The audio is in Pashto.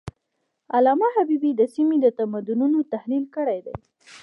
علامه حبيبي د سیمې د تمدنونو تحلیل کړی دی.